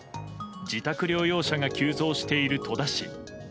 自宅療養者が急増している戸田市。